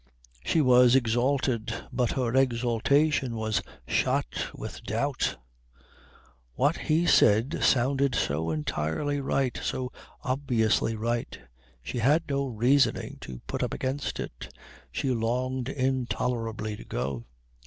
She was exalted, but her exaltation was shot with doubt. What he said sounded so entirely right, so obviously right. She had no reasoning to put up against it. She longed intolerably to go.